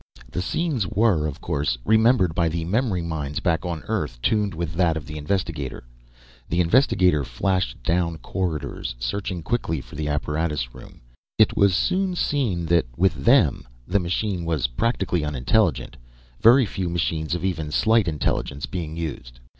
The scenes were, of course, remembered by the memory minds back on Earth tuned with that of the investigator. The investigator flashed down corridors, searching quickly for the apparatus room. It was soon seen that with them the machine was practically unintelligent, very few machines of even slight intelligence being used.